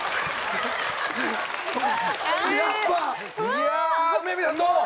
いや梅宮さんどうも。